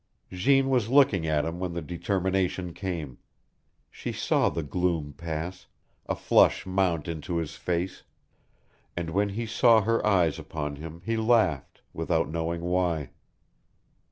Jeanne was looking at him when the determination came. She saw the gloom pass, a flush mount into his face; and when he saw her eyes upon him he laughed, without knowing why.